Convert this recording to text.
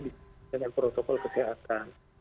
dengan protokol kesehatan